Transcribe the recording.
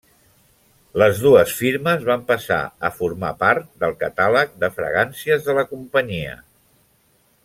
Les dues firmes van passar a formar part del catàleg de fragàncies de la companyia.